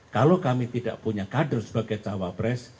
kalau kami tidak punya kader sebagai cawapres